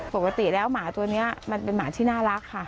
แต่ประตูของมันว่าโปรติแล้วมันเป็นหมาที่น่ารักค่ะ